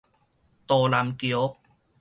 道南橋